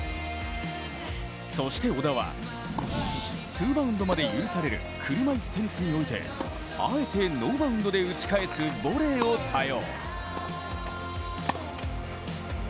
そして小田はツーバウンドまで許される車いすテニスにおいてあえてノーバウンドで打ち返すボレーを多用。